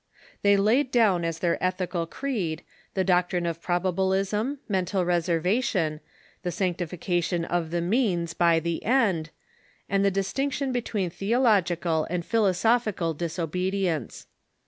They laid down as their ethical creed the doctrine of probabilism, mental reservation, the sanctification of the means by the end, and the distinction between theological and philosophical disobedience.